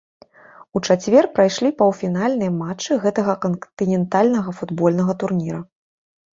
У чацвер прайшлі паўфінальныя матчы гэтага кантынентальнага футбольнага турніра.